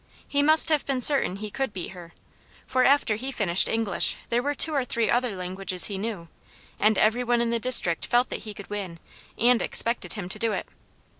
He must have been certain he could beat her, for after he finished English there were two or three other languages he knew, and every one in the district felt that he could win, and expected him to do it.